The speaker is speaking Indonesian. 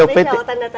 pak petika ditawarkan